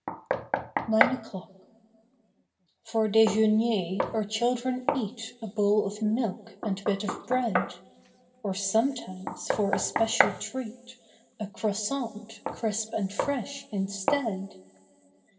9 NINE O'CLOCK F or dejemier our children eat A bowl of milk and bit of bread; Or sometimes, for a special treat, A croissant, crisp and fresh, instead.